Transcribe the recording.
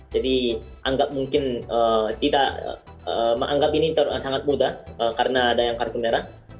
jadi anggap ini sangat mudah karena ada yang mendapatkan kartu merah